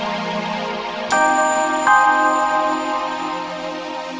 apa apaan juga kuatir kan nih sahabatnya